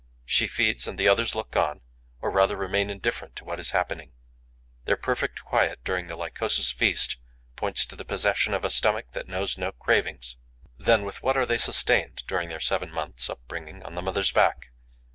She feeds and the others look on, or rather remain indifferent to what is happening. Their perfect quiet during the Lycosa's feast points to the posession of a stomach that knows no cravings. Then with what are they sustained, during their seven months' upbringing on the mother's back?